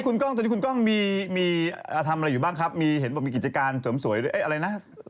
คุณกล้องตอนนี้คุณกล้องมีทำอะไรอยู่บ้างครับมีเห็นบอกมีกิจการเสริมสวยอะไรนะ